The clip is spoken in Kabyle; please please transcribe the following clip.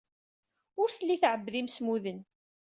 Ur telli tɛebbed imsemmuden.